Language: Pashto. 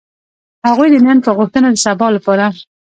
هغوی د نن په غوښتنه د سبا لپاره.